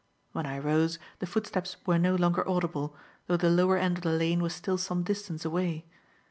When I rose, the footsteps were no longer audible, though the lower end of the lane was still some distance away.